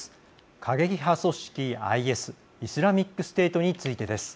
過激派組織ＩＳ＝イスラミックステートについてです。